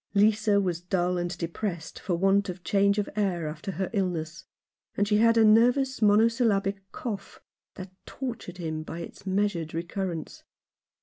Lisa was dull and depressed for want of change of air after her illness ; and she had a nervous monosyllabic cough that tortured him by its measured recurrence.